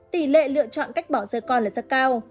tỷ lệ lựa chọn cách bỏ rơi con là rất cao